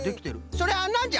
それはなんじゃ？